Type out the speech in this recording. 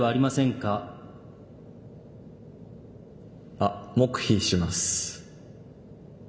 あっ黙秘します。